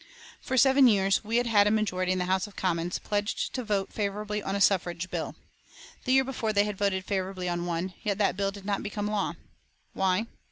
For seven years we had had a majority in the House of Commons pledged to vote favourably on a suffrage bill. The year before, they had voted favourably on one, yet that bill did not become law. Why?